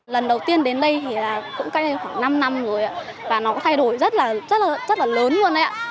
lần đầu tiên đến đây thì cũng cách đây khoảng năm năm rồi ạ và nó có thay đổi rất là lớn luôn đấy ạ